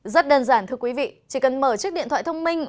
rất đơn giản thưa quý vị chỉ cần mở chiếc điện thoại thông minh